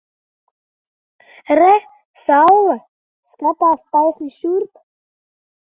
Re! Saule! Skatās taisni šurp!